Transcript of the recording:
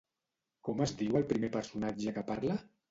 Com es diu el primer personatge que parla?